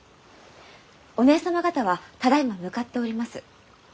お姐様方はただいま向かっております。